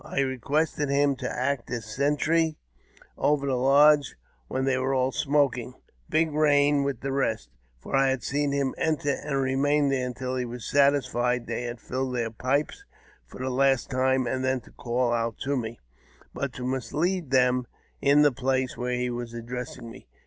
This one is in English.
I requested him to act as sentry over the lodge where they were all smoking — Big Eain with the rest, for I had seen him enter — and remain there until he was satisfied they had filled their pipes for the last time, and then to call out to me, but to mislead them in the place where he was addressing me.